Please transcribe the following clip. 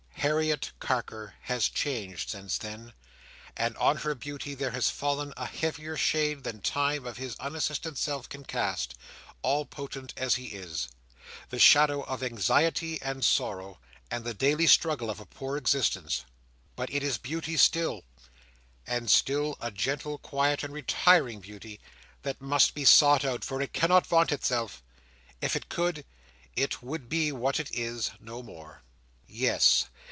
Harriet Carker has changed since then, and on her beauty there has fallen a heavier shade than Time of his unassisted self can cast, all potent as he is—the shadow of anxiety and sorrow, and the daily struggle of a poor existence. But it is beauty still; and still a gentle, quiet, and retiring beauty that must be sought out, for it cannot vaunt itself; if it could, it would be what it is, no more. Yes.